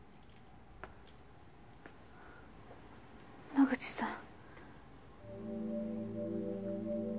野口さん。